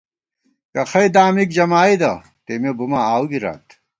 کخئ دامِک جمائیدہ ، تېمےبُماں آؤو گِرات